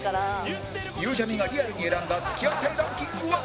ゆうちゃみがリアルに選んだ付き合いたいランキングは？